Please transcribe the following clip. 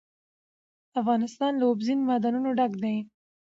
افغانستان له اوبزین معدنونه ډک دی.